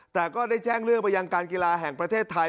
แต่ก็ได้แจ้งเรื่องไปยังการกีฬาแห่งประเทศไทย